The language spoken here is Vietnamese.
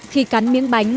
khi cắn miếng bánh